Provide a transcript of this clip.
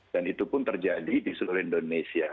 dan itu pun terjadi di seluruh indonesia